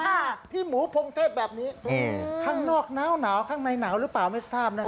พี่หมูพงเทพแบบนี้อืมข้างนอกหนาวข้างในหนาวหรือเปล่าไม่ทราบนะครับ